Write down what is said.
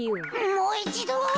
もういちど。